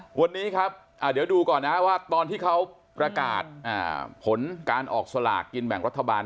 วันนี้ครับเดี๋ยวดูก่อนนะว่าตอนที่เขาประกาศผลการออกสลากกินแบ่งรัฐบาล